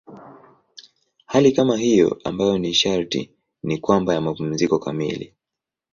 Hali kama hiyo ambayo sharti ni kwamba ya mapumziko kamili.